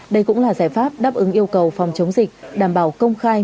đây cũng là giải pháp đáp ứng yêu cầu phòng chống dịch đảm bảo công khai